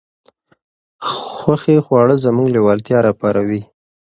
خوښې خواړه زموږ لېوالتیا راپاروي.